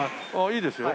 いいですよ。